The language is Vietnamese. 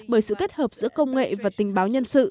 bởi sự kết hợp giữa công nghệ và tình báo nhân sự